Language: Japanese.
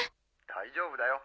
大丈夫だよ